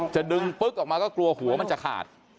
จะดึงปึ๊กออกมาก็กลัวหัวมันจะขาด